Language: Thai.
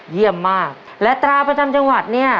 เยี่ยมมากและตราประจำจังหวัดเนี่ย